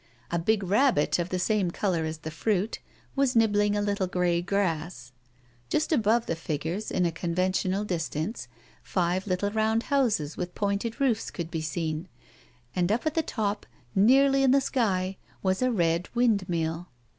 A big rabbit of the same colour as the fruit was nibbling a little grey grass. Just above the figures, in a conventional distance, five little round houses with pointed roofs could be seen, and up at the top, nearly in the sky, was a red wind mill.